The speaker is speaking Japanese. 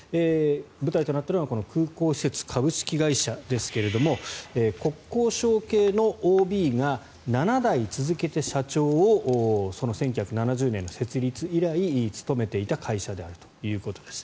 舞台となったのは空港施設株式会社ですが国交省系のＯＢが７代続けて社長をその１９７０年の設立以来務めていた会社だということです。